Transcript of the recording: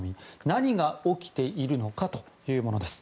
「何が起きているのか」というものです。